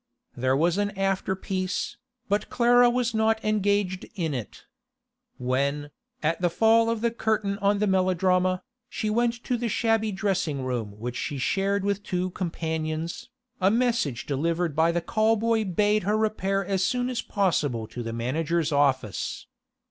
There was an after piece, but Clara was not engaged in it. When, at the fall of the curtain on the melodrama, she went to the shabby dressing room which she shared with two companions, a message delivered by the call boy bade her repair as soon as possible to the manager's office.